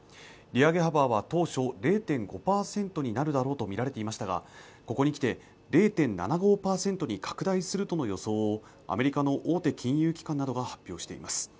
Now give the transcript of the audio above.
利上げ幅は当初０．５％になるだろうと見られていましたがここにきて０．７５％に拡大するとの予想をアメリカの大手金融機関などが発表しています